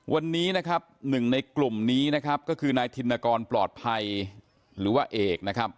วันนี้หนึ่งในกลุ่มนี้ก็คือนายถิ่นกรปลอดภัยหรือว่าเอก